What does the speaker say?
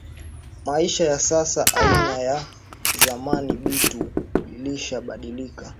Maisha ya sasa aina sa ya zamani bitu bilisha badilika